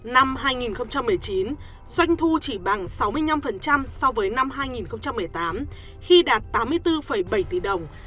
năm hai nghìn một mươi chín doanh thu chỉ bằng sáu mươi năm so với năm hai nghìn một mươi tám khi đạt tám mươi bốn bảy tỷ đồng